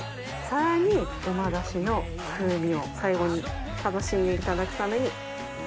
さらに旨だしの風味を最後に楽しんでいただくために。